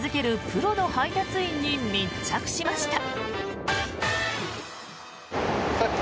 プロの配達員に密着しました。